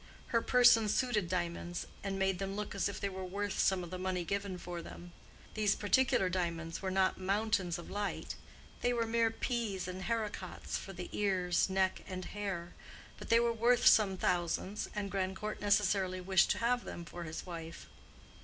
Her person suited diamonds, and made them look as if they were worth some of the money given for them. These particular diamonds were not mountains of light—they were mere peas and haricots for the ears, neck and hair; but they were worth some thousands, and Grandcourt necessarily wished to have them for his wife.